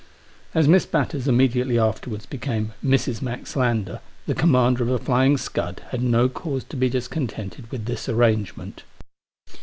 As Miss Batters immediately afterwards became Mrs. Max Lander, the commander of The Flying Scud had no cause to be discontented with this arrangement.